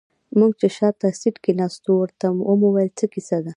موږ چې شاته سيټ کې ناست وو ورته ومو ويل څه کيسه ده.